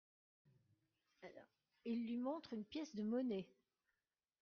Il lui montre une pièce de monnaie.